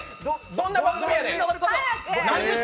どんな番組やねん。